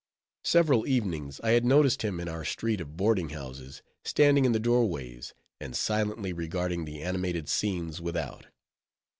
Several evenings I had noticed him in our street of boarding houses, standing in the doorways, and silently regarding the animated scenes without.